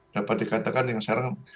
dapat dikatakan yang sekarang